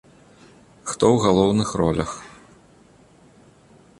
Хто ў галоўных ролях?